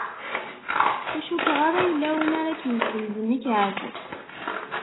Ur cukkeɣ ara yella win ara k-yezzenzen ikɛeb.